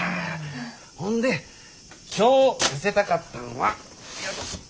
ほんで今日見せたかったんはこれや。